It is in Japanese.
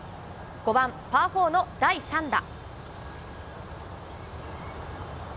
５番パー４の第３打。